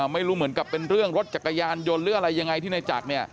ไม่รู้เหมือนกับเป็นเรื่องรถจักรยานยนต์หรืออะไรยังไงที่ในจักรเนี่ย